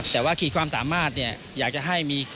แต่ว่าขีดความสามารถเนี่ยอยากจะให้มี